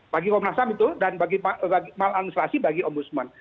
bagi komnasam itu dan malang asasi bagi ombudsman